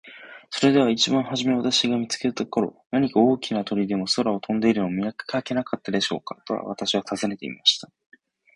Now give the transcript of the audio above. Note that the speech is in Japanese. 「それでは一番はじめ私を見つけた頃、何か大きな鳥でも空を飛んでいるのを見かけなかったでしょうか。」と私は尋ねてみました。